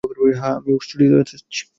হ্যাঁ, আমি স্টুডিওতে আছি।